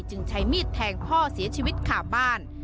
ใช้มีดแทงพ่อเสียชีวิตขาบบ้าน